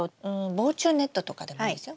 防虫ネットとかでもいいですよ。